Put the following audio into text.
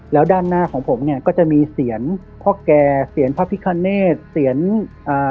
แล้วด้านหน้าของผมเนี่ยก็จะมีเสียงพ่อแก่เสียนพระพิคเนตเสียงอ่า